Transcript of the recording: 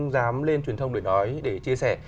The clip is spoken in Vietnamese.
dám lên truyền thông để nói để chia sẻ